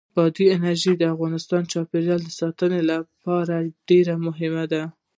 بادي انرژي د افغانستان د چاپیریال ساتنې لپاره ډېر مهم دي.